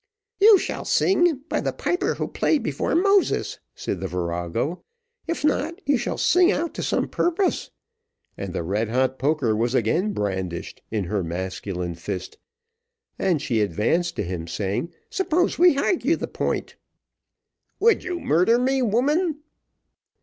"You shall sing, by the piper who played before Moses," said the virago; "if not, you shall sing out to some purpose;" and the red hot poker was again brandished in her masculine fist, and she advanced to him, saying, "suppose we hargue that point?" "Would you murder me, woman?"